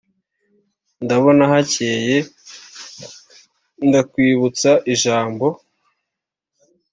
ndabona hakeye Ndakwibutsa ijambo